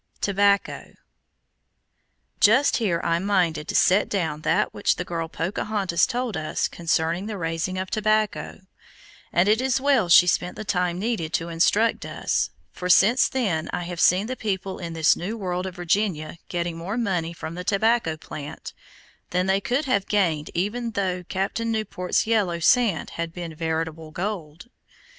TOBACCO Just here I am minded to set down that which the girl Pocahontas told us concerning the raising of tobacco, and it is well she spent the time needed to instruct us, for since then I have seen the people in this new world of Virginia getting more money from the tobacco plant, than they could have gained even though Captain Newport's yellow sand had been veritable gold.